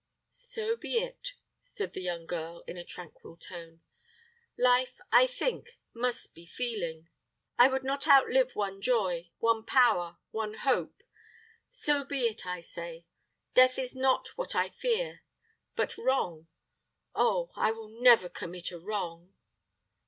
"So be it," said the young girl, in a tranquil tone. "Life, I think, must be feeling. I would not outlive one joy, one power, one hope. So be it, I say. Death is not what I fear, but wrong. Oh, I will never commit a wrong."